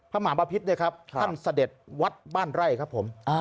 หมาบพิษเนี่ยครับท่านเสด็จวัดบ้านไร่ครับผม